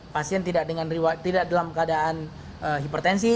pasien tidak dengan riwa tidak dalam keadaan hipertensi